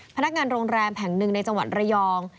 พนักงานโรงแรมแห่งหนึ่งในจังหวัดระยอง